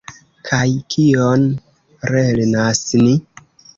Kaj kion lernas ni?